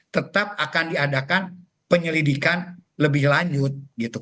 tetap akan diadakan penyelidikan lebih lanjut